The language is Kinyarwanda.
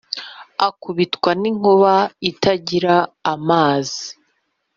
akubitwa ninkuba itagira amazi